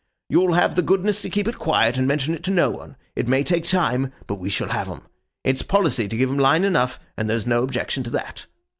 You'll have the goodness to keep it quiet, and mention it to no one. It may take time, but we shall have 'em. It's policy to give 'em line enough, and there's no objection to that.